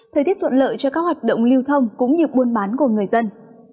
thời tiết thuận lợi cho các hoạt động lưu thông cũng như buôn bán của người dân